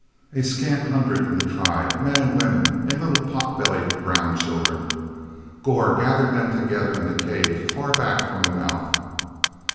A scant hundred in the tribe—men and women and little pot bellied brown children—Gor gathered them together in the cave far back from the mouth.